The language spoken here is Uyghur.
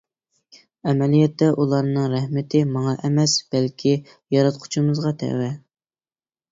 ئەمەلىيەتتە ئۇلارنىڭ رەھمىتى ماڭا ئەمەس، بەلكى ياراتقۇچىمىزغا تەۋە.